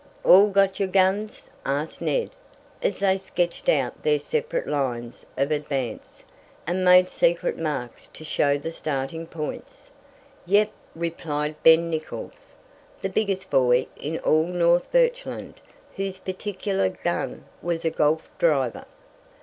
"All got your guns?" asked Ned, as they sketched out their separate lines of advance, and made secret marks to show the starting points. "Yep," replied Ben Nichols, the biggest boy in all North Birchland, whose particular "gun" was a golf driver.